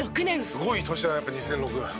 「すごい年だなやっぱ２００６」